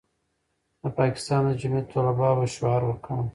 د پاکستان د جمعیت طلبه به شعار ورکاوه.